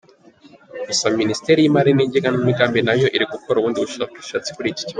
Gusa Minisiteri y’Imari n’Igenamigambi nayo iri gukora ubundi bushakashatsi kuri iki kibazo.